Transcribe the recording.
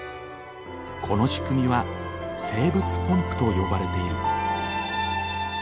この仕組みは生物ポンプと呼ばれている。